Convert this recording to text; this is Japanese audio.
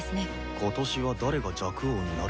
今年は誰が若王になるのか。